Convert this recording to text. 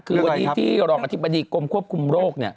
คือวันนี้ที่รองอธิบดีกรมควบคุมโรค